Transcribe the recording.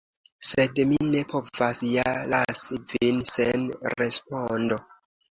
Sed mi ne povas ja lasi vin sen respondo.